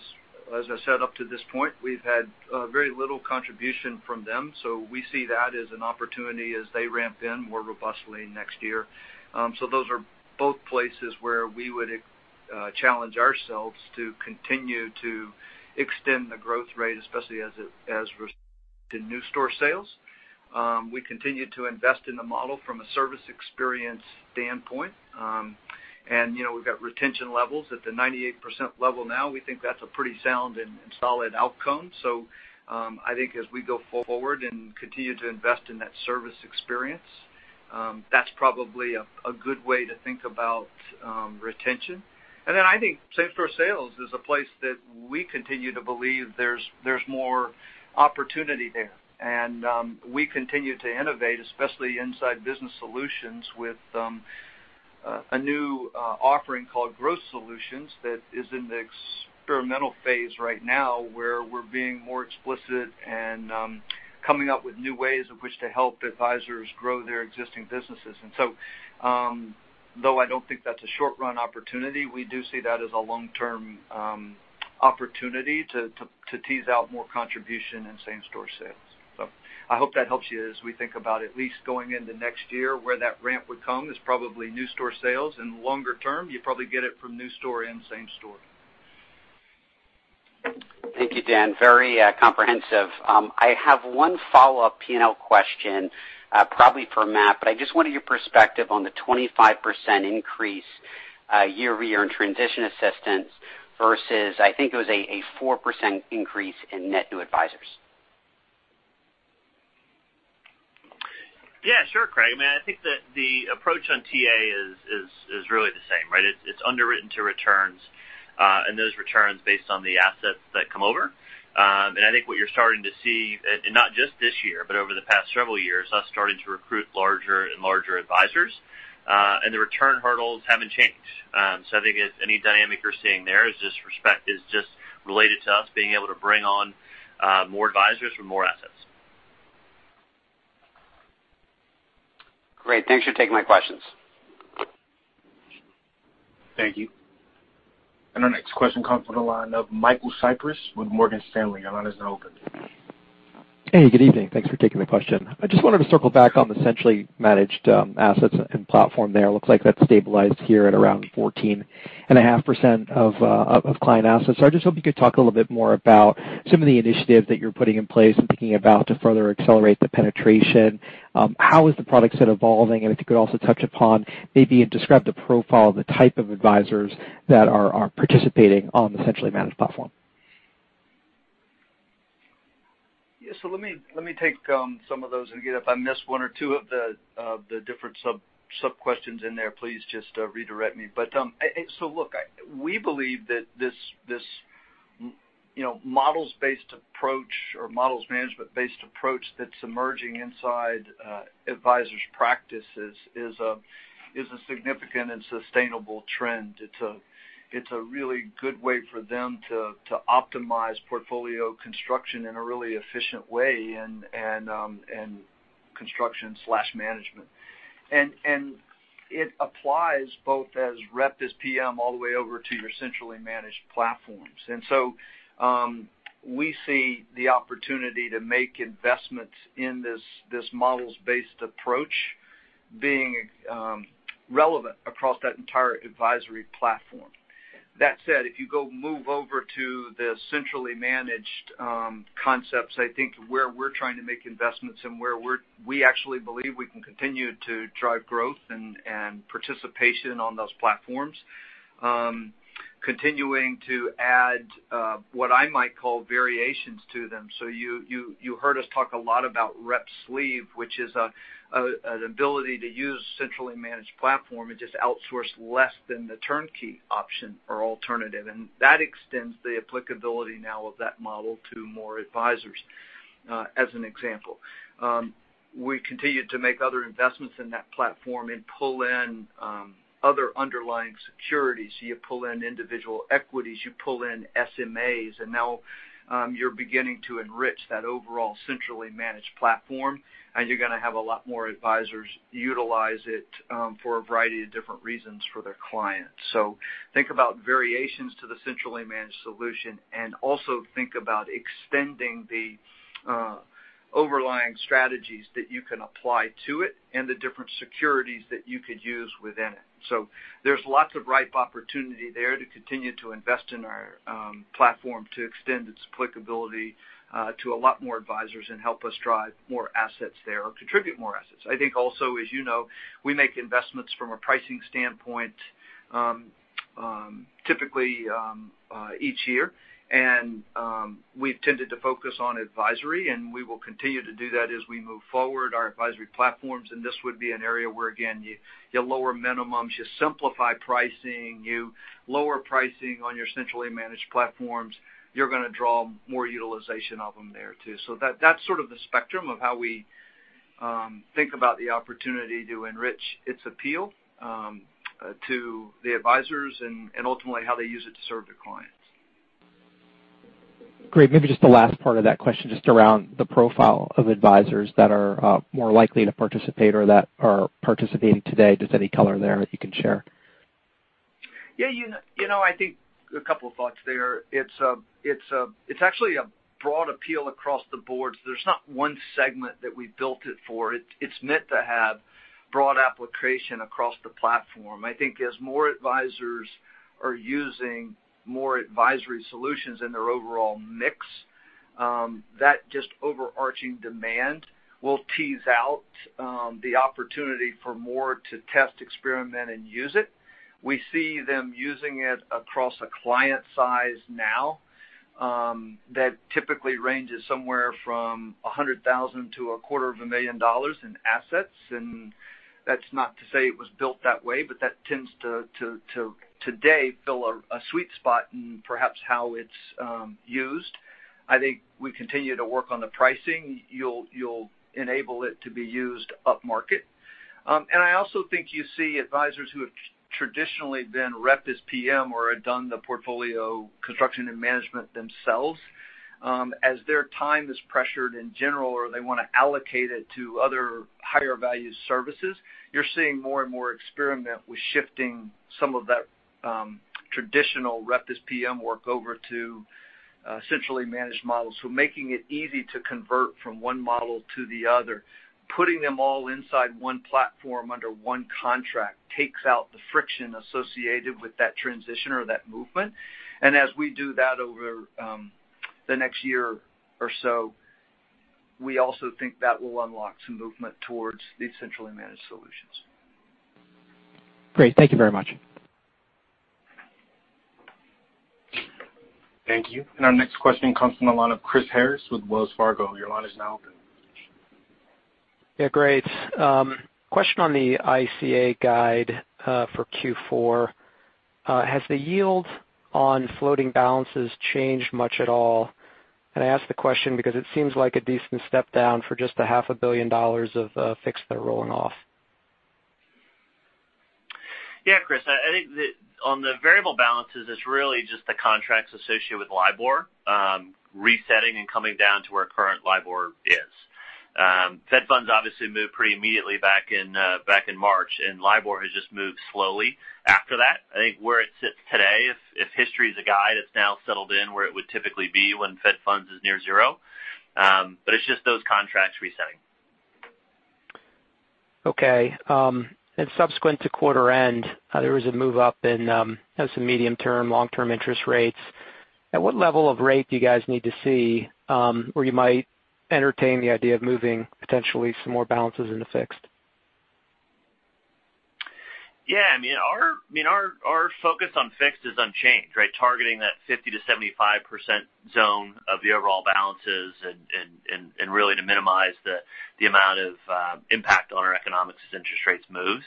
as I said, up to this point, we've had very little contribution from them, so we see that as an opportunity as they ramp in more robustly next year, so those are both places where we would challenge ourselves to continue to extend the growth rate, especially as it relates to new store sales. We continue to invest in the model from a service experience standpoint. And we've got retention levels at the 98% level now. We think that's a pretty sound and solid outcome. So I think as we go forward and continue to invest in that service experience, that's probably a good way to think about retention. And then I think same store sales is a place that we continue to believe there's more opportunity there. And we continue to innovate, especially inside Business Solutions with a new offering called Growth Solutions that is in the experimental phase right now where we're being more explicit and coming up with new ways in which to help advisors grow their existing businesses. And so though I don't think that's a short-run opportunity, we do see that as a long-term opportunity to tease out more contribution in same store sales. So, I hope that helps you as we think about at least going into next year, where that ramp would come is probably new store sales. And longer term, you probably get it from new store and same store. Thank you, Dan. Very comprehensive. I have one follow-up P&L question, probably for Matt, but I just wanted your perspective on the 25% increase year-over-year in transition assistance versus I think it was a 4% increase in net new advisors. Yeah. Sure, Craig. I mean, I think the approach on TA is really the same, right? It's underwritten to returns, and those returns based on the assets that come over. And I think what you're starting to see, and not just this year, but over the past several years, us starting to recruit larger and larger advisors, and the return hurdles haven't changed. So I think any dynamic you're seeing there is just related to us being able to bring on more advisors from more assets. Great. Thanks for taking my questions. Thank you. And our next question comes from the line of Michael Cyprys with Morgan Stanley. Your line is now open. Hey, good evening. Thanks for taking the question. I just wanted to circle back on the centrally managed assets and platform there. It looks like that's stabilized here at around 14.5% of client assets. So I just hope you could talk a little bit more about some of the initiatives that you're putting in place and thinking about to further accelerate the penetration. How is the product set evolving? And if you could also touch upon maybe, and describe the profile of the type of advisors that are participating on the centrally managed platform. Yeah. So let me take some of those. And again, if I miss one or two of the different sub-questions in there, please just redirect me. But so look, we believe that this models-based approach or models-management-based approach that's emerging inside advisors' practices is a significant and sustainable trend. It's a really good way for them to optimize portfolio construction in a really efficient way and construction/management. And it applies both as rep, as PM, all the way over to your centrally managed platforms. And so we see the opportunity to make investments in this models-based approach being relevant across that entire advisory platform. That said, if you go move over to the centrally managed concepts, I think where we're trying to make investments and where we actually believe we can continue to drive growth and participation on those platforms, continuing to add what I might call variations to them. So you heard us talk a lot about Rep-Sleeve, which is an ability to use centrally managed platform and just outsource less than the turnkey option or alternative. And that extends the applicability now of that model to more advisors, as an example. We continue to make other investments in that platform and pull in other underlying securities. You pull in individual equities. You pull in SMAs. And now you're beginning to enrich that overall centrally managed platform, and you're going to have a lot more advisors utilize it for a variety of different reasons for their clients. So think about variations to the centrally managed solution and also think about extending the overlying strategies that you can apply to it and the different securities that you could use within it. So there's lots of ripe opportunity there to continue to invest in our platform to extend its applicability to a lot more advisors and help us drive more assets there or contribute more assets. I think also, as you know, we make investments from a pricing standpoint typically each year. And we've tended to focus on advisory, and we will continue to do that as we move forward our advisory platforms. And this would be an area where, again, you lower minimums, you simplify pricing, you lower pricing on your centrally managed platforms, you're going to draw more utilization of them there too. So that's sort of the spectrum of how we think about the opportunity to enrich its appeal to the advisors and ultimately how they use it to serve their clients. Great. Maybe just the last part of that question, just around the profile of advisors that are more likely to participate or that are participating today. Just any color there that you can share. Yeah. I think a couple of thoughts there. It's actually a broad appeal across the boards. There's not one segment that we've built it for. It's meant to have broad application across the platform. I think as more advisors are using more advisory solutions in their overall mix, that just overarching demand will tease out the opportunity for more to test, experiment, and use it. We see them using it across a client size now that typically ranges somewhere from $100,000-$250,000 in assets. And that's not to say it was built that way, but that tends to today fill a sweet spot in perhaps how it's used. I think we continue to work on the pricing. It'll enable it to be used upmarket. And I also think you see advisors who have traditionally been Rep as PM or have done the portfolio construction and management themselves. As their time is pressured in general or they want to allocate it to other higher-value services, you're seeing more and more experiment with shifting some of that traditional Rep as PM work over to centrally managed models. So making it easy to convert from one model to the other, putting them all inside one platform under one contract takes out the friction associated with that transition or that movement. And as we do that over the next year or so, we also think that will unlock some movement towards these centrally managed solutions. Great. Thank you very much. Thank you. And our next question comes from the line of Chris Harris with Wells Fargo. Your line is now open. Yeah. Great. Question on the ICA guide for Q4. Has the yield on floating balances changed much at all? And I ask the question because it seems like a decent step down for just $500 million of fixed that are rolling off. Yeah, Chris. I think on the variable balances, it's really just the contracts associated with LIBOR resetting and coming down to where current LIBOR is. Fed funds obviously moved pretty immediately back in March, and LIBOR has just moved slowly after that. I think where it sits today, if history is a guide, it's now settled in where it would typically be when Fed funds is near zero. But it's just those contracts resetting. Okay. And subsequent to quarter-end, there was a move up in some medium-term, long-term interest rates. At what level of rate do you guys need to see where you might entertain the idea of moving potentially some more balances into fixed? Yeah. I mean, our focus on fixed is unchanged, right? Targeting that 50%-75% zone of the overall balances and really to minimize the amount of impact on our economics as interest rates move.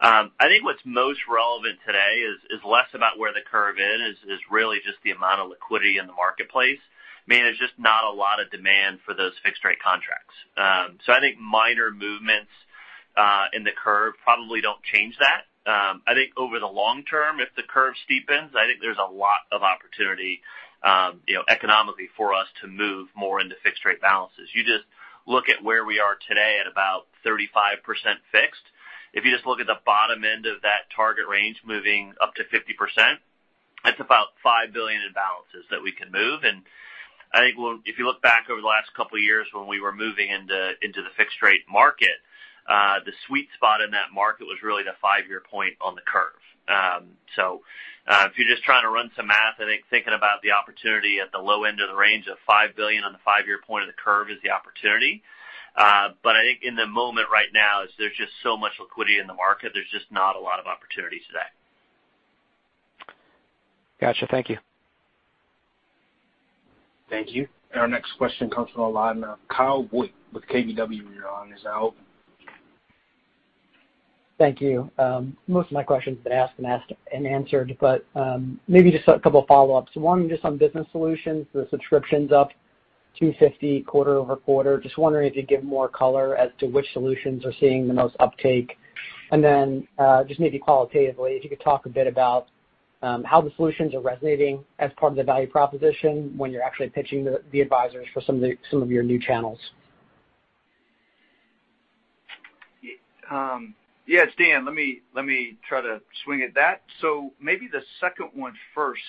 I think what's most relevant today is less about where the curve is, is really just the amount of liquidity in the marketplace. I mean, there's just not a lot of demand for those fixed-rate contracts. So I think minor movements in the curve probably don't change that. I think over the long term, if the curve steepens, I think there's a lot of opportunity economically for us to move more into fixed-rate balances. You just look at where we are today at about 35% fixed. If you just look at the bottom end of that target range moving up to 50%, it's about $5 billion in balances that we can move. And I think if you look back over the last couple of years when we were moving into the fixed-rate market, the sweet spot in that market was really the five-year point on the curve. So if you're just trying to run some math, I think thinking about the opportunity at the low end of the range of $5 billion on the five-year point of the curve is the opportunity. But I think in the moment right now, there's just so much liquidity in the market, there's just not a lot of opportunity today. Got you. Thank you. Thank you. And our next question comes from the line of Kyle Voigt with KBW. Your line is now open. Thank you. Most of my questions have been asked and answered, but maybe just a couple of follow-ups. One just on Business Solutions, the subscriptions up 250 quarter-over-quarter. Just wondering if you'd give more color as to which solutions are seeing the most uptake. And then just maybe qualitatively, if you could talk a bit about how the solutions are resonating as part of the value proposition when you're actually pitching the advisors for some of your new channels. Yeah. Dan, let me try to swing at that, so maybe the second one first,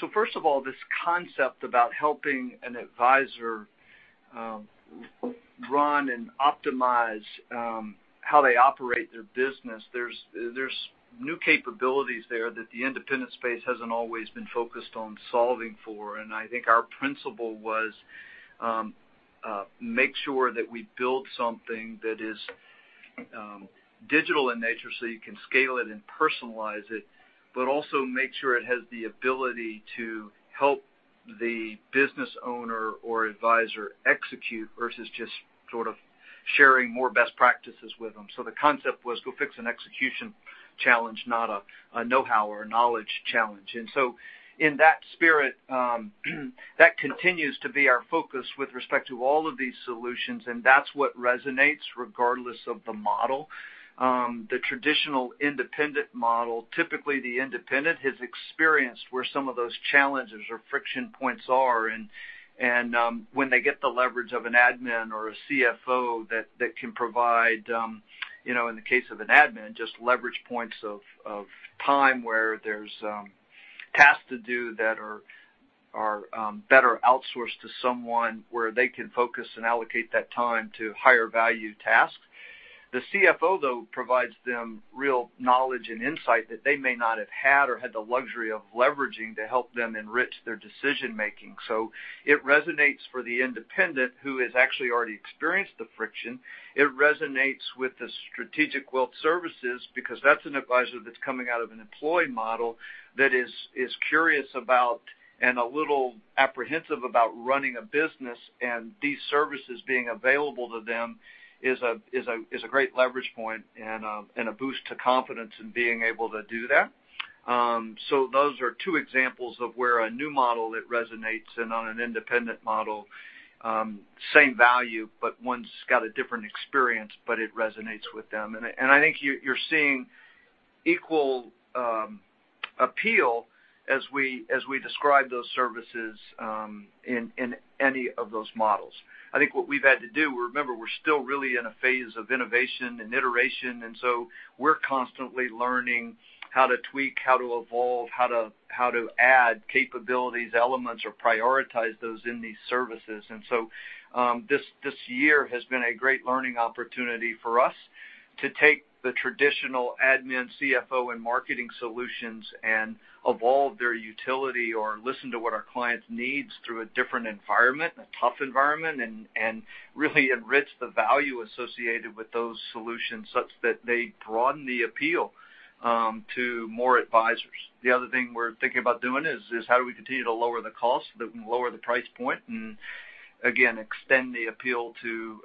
so first of all, this concept about helping an advisor run and optimize how they operate their business, there's new capabilities there that the independent space hasn't always been focused on solving for, and I think our principle was make sure that we build something that is digital in nature so you can scale it and personalize it, but also make sure it has the ability to help the business owner or advisor execute versus just sort of sharing more best practices with them, so the concept was go fix an execution challenge, not a know-how or a knowledge challenge, and so in that spirit, that continues to be our focus with respect to all of these solutions, and that's what resonates regardless of the model. The traditional independent model, typically the independent has experienced where some of those challenges or friction points are, and when they get the leverage of an admin or a CFO that can provide, in the case of an admin, just leverage points of time where there's tasks to do that are better outsourced to someone where they can focus and allocate that time to higher-value tasks. The CFO, though, provides them real knowledge and insight that they may not have had or had the luxury of leveraging to help them enrich their decision-making, so it resonates for the independent who has actually already experienced the friction. It resonates with the Strategic Wealth Services because that's an advisor that's coming out of an employee model that is curious about and a little apprehensive about running a business. And these services being available to them is a great leverage point and a boost to confidence in being able to do that. So those are two examples of where a new model that resonates and on an independent model, same value, but one's got a different experience, but it resonates with them. And I think you're seeing equal appeal as we describe those services in any of those models. I think what we've had to do, remember, we're still really in a phase of innovation and iteration. And so we're constantly learning how to tweak, how to evolve, how to add capabilities, elements, or prioritize those in these services. And so this year has been a great learning opportunity for us to take the traditional admin, CFO, and marketing solutions and evolve their utility or listen to what our client's needs through a different environment, a tough environment, and really enrich the value associated with those solutions such that they broaden the appeal to more advisors. The other thing we're thinking about doing is how do we continue to lower the cost so that we can lower the price point and, again, extend the appeal to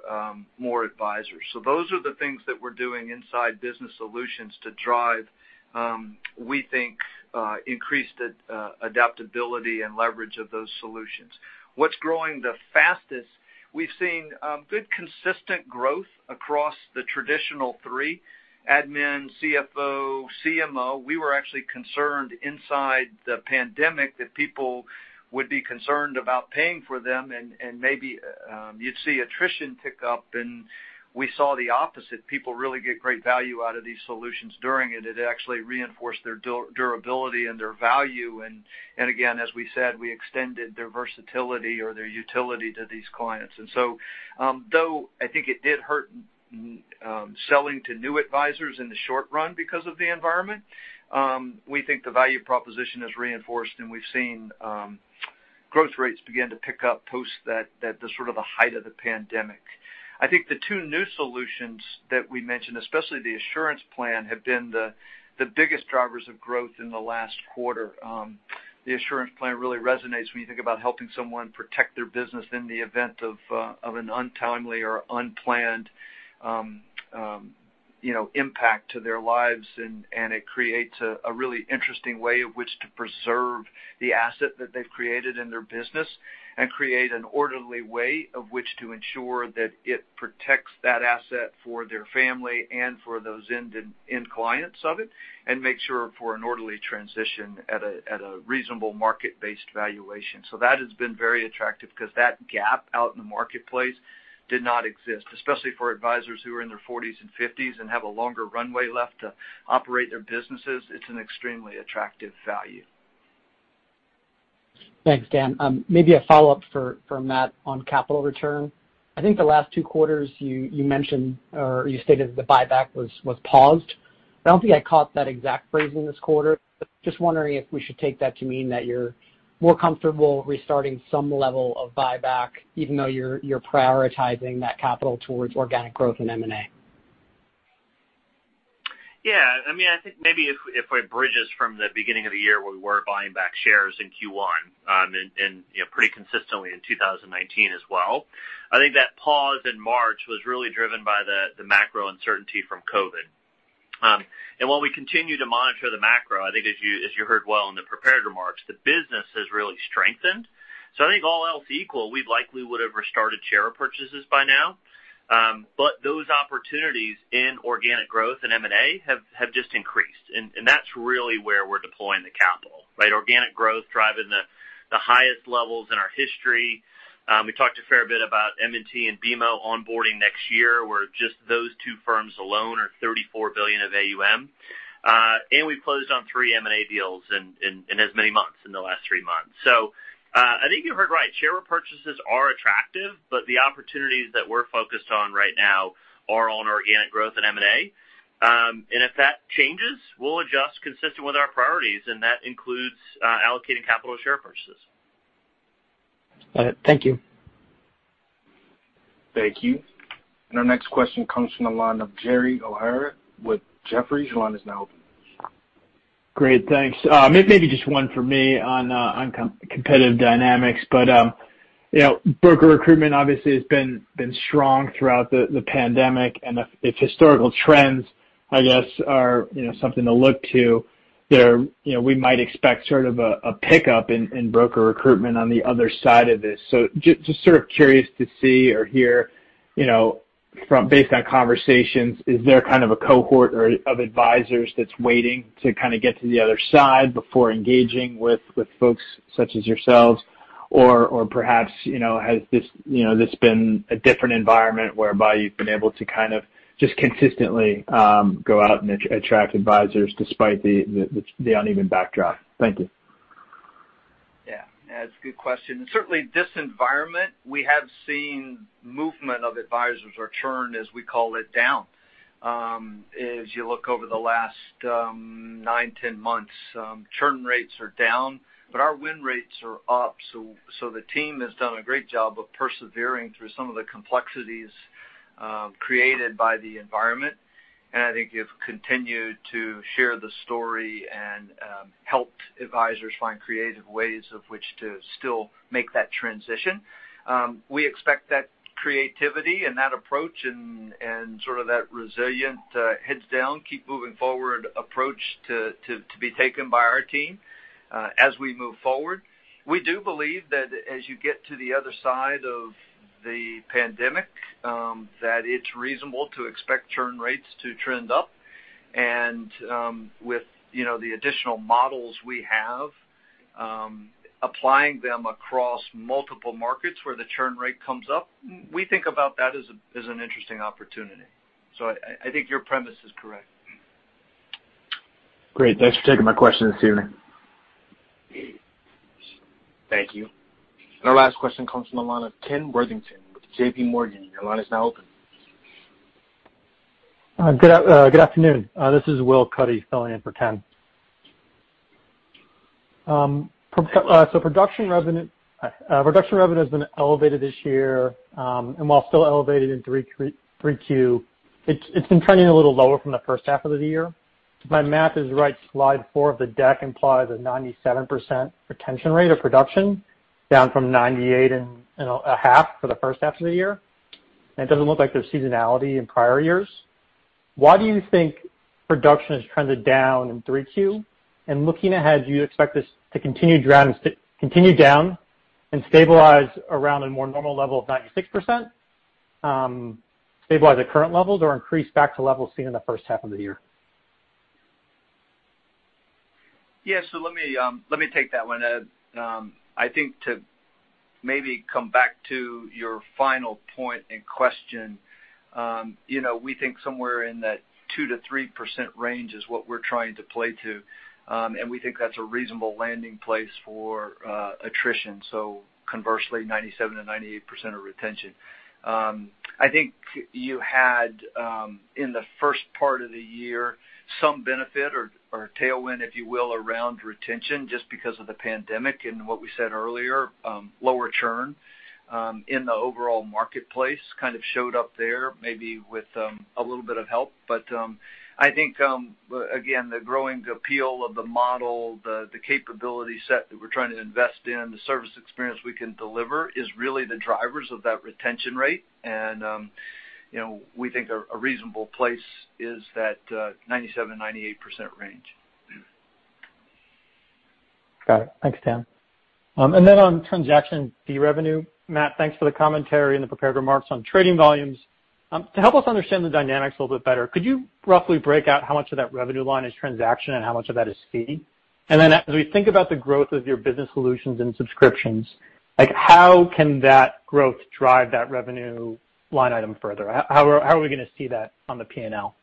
more advisors. So those are the things that we're doing inside Business Solutions to drive, we think, increased adaptability and leverage of those solutions. What's growing the fastest? We've seen good consistent growth across the traditional three: admin, CFO, CMO. We were actually concerned inside the pandemic that people would be concerned about paying for them, and maybe you'd see attrition tick up. And we saw the opposite. People really get great value out of these solutions during it. It actually reinforced their durability and their value. And again, as we said, we extended their versatility or their utility to these clients. And so though I think it did hurt selling to new advisors in the short run because of the environment, we think the value proposition is reinforced, and we've seen growth rates begin to pick up post the sort of the height of the pandemic. I think the two new solutions that we mentioned, especially the Assurance Plan, have been the biggest drivers of growth in the last quarter. The Assurance Plan really resonates when you think about helping someone protect their business in the event of an untimely or unplanned impact to their lives. It creates a really interesting way in which to preserve the asset that they've created in their business and create an orderly way in which to ensure that it protects that asset for their family and for the clients of it, and make sure for an orderly transition at a reasonable market-based valuation. So that has been very attractive because that gap in the marketplace did not exist, especially for advisors who are in their 40s and 50s and have a longer runway left to operate their businesses. It's an extremely attractive value. Thanks, Dan. Maybe a follow-up from that on capital return. I think the last two quarters you mentioned, or you stated that the buyback was paused. I don't think I caught that exact phrase in this quarter. Just wondering if we should take that to mean that you're more comfortable restarting some level of buyback, even though you're prioritizing that capital towards organic growth and M&A. Yeah. I mean, I think maybe if we bridge from the beginning of the year where we were buying back shares in Q1 and pretty consistently in 2019 as well. I think that pause in March was really driven by the macro uncertainty from COVID. And while we continue to monitor the macro, I think as you heard, well, in the prepared remarks, the business has really strengthened. So I think all else equal, we likely would have restarted share purchases by now. But those opportunities in organic growth and M&A have just increased. And that's really where we're deploying the capital, right? Organic growth driving the highest levels in our history. We talked a fair bit about M&T and BMO onboarding next year, where just those two firms alone are $34 billion of AUM. And we closed on three M&A deals in as many months in the last three months. So I think you heard right. Share purchases are attractive, but the opportunities that we're focused on right now are on organic growth and M&A. And if that changes, we'll adjust consistent with our priorities, and that includes allocating capital share purchases. Got it. Thank you. Thank you. And our next question comes from the line of Jerry O'Hara with Jefferies. Your line is now open. Great. Thanks. Maybe just one for me on competitive dynamics, but broker recruitment obviously has been strong throughout the pandemic, and if historical trends, I guess, are something to look to, we might expect sort of a pickup in broker recruitment on the other side of this, so just sort of curious to see or hear based on conversations, is there kind of a cohort of advisors that's waiting to kind of get to the other side before engaging with folks such as yourselves, or perhaps has this been a different environment whereby you've been able to kind of just consistently go out and attract advisors despite the uneven backdrop? Thank you. Yeah. That's a good question. And certainly, this environment, we have seen movement of advisors or churn, as we call it, down. As you look over the last nine, 10 months, churn rates are down, but our win rates are up. So the team has done a great job of persevering through some of the complexities created by the environment. And I think you've continued to share the story and helped advisors find creative ways of which to still make that transition. We expect that creativity and that approach and sort of that resilient heads-down, keep-moving-forward approach to be taken by our team as we move forward. We do believe that as you get to the other side of the pandemic, that it's reasonable to expect churn rates to trend up. With the additional models we have, applying them across multiple markets where the churn rate comes up, we think about that as an interesting opportunity. I think your premise is correct. Great. Thanks for taking my question this evening. Thank you. And our last question comes from the line of Will Cuddy with JPMorgan. Your line is now open. Good afternoon. This is Will Cuddy, filling in for Ken. So production revenue has been elevated this year. And while still elevated in 3Q, it's been trending a little lower from the first half of the year. If my math is right, slide four of the deck implies a 97% retention rate of production, down from 98.5% for the first half of the year. And it doesn't look like there's seasonality in prior years. Why do you think production is trending down in 3Q? And looking ahead, do you expect this to continue down and stabilize around a more normal level of 96%, stabilize at current levels, or increase back to levels seen in the first half of the year? Yeah. So let me take that one. I think to maybe come back to your final point and question, we think somewhere in that 2%-3% range is what we're trying to play to. And we think that's a reasonable landing place for attrition. So conversely, 97%-98% of retention. I think you had, in the first part of the year, some benefit or tailwind, if you will, around retention just because of the pandemic. And what we said earlier, lower churn in the overall marketplace kind of showed up there, maybe with a little bit of help. But I think, again, the growing appeal of the model, the capability set that we're trying to invest in, the service experience we can deliver is really the drivers of that retention rate. And we think a reasonable place is that 97%-98% range. Got it. Thanks, Dan. And then on transaction fee revenue, Matt, thanks for the commentary and the prepared remarks on trading volumes. To help us understand the dynamics a little bit better, could you roughly break out how much of that revenue line is transaction and how much of that is fee? And then as we think about the growth of your Business Solutions and subscriptions, how can that growth drive that revenue line item further? How are we going to see that on the P&L?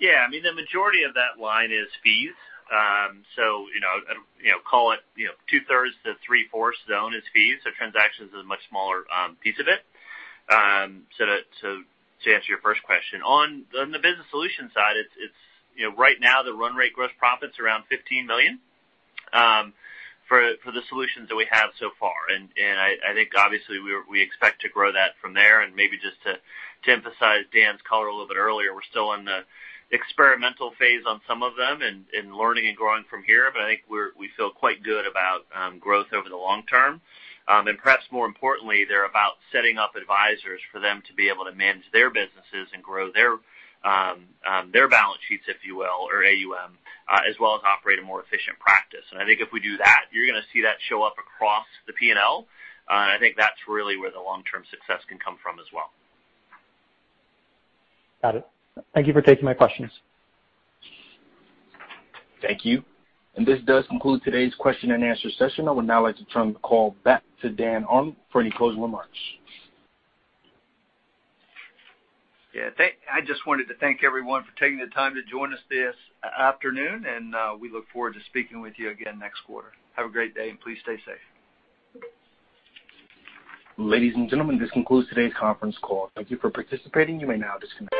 Yeah. I mean, the majority of that line is fees. So call it 2/3s-3/4s zone is fees. So transactions is a much smaller piece of it. So to answer your first question, on the business solution side, right now, the run rate gross profit's around $15 million for the solutions that we have so far. And I think, obviously, we expect to grow that from there. And maybe just to emphasize Dan's color a little bit earlier, we're still in the experimental phase on some of them and learning and growing from here. But I think we feel quite good about growth over the long term. And perhaps more importantly, they're about setting up advisors for them to be able to manage their businesses and grow their balance sheets, if you will, or AUM, as well as operate a more efficient practice. I think if we do that, you're going to see that show up across the P&L. I think that's really where the long-term success can come from as well. Got it. Thank you for taking my questions. Thank you. And this does conclude today's question and answer session. I would now like to turn the call back to Dan Arnold for any closing remarks. Yeah. I just wanted to thank everyone for taking the time to join us this afternoon, and we look forward to speaking with you again next quarter. Have a great day and please stay safe. Ladies and gentlemen, this concludes today's conference call. Thank you for participating. You may now disconnect.